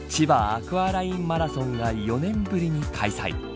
アクアラインマラソンが４年ぶりに開催。